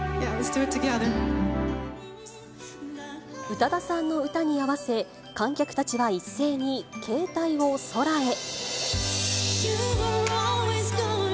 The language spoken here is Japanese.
宇多田さんの歌に合わせ、観客たちは一斉に、携帯を空へ。